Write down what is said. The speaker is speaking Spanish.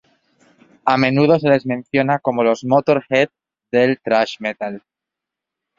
A menudo se les menciona como los "Motörhead del "thrash metal"".